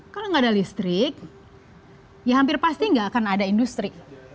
kalau nggak ada listrik ya hampir pasti nggak akan ada industri